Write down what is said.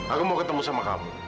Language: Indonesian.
aku mau ketemu sama kamu